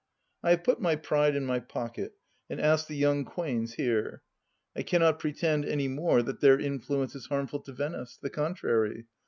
I have put my pride in my pocket, and asked the young Quains here. I cannot pretend any more that their influ ence is harmful to Venice. The contrary.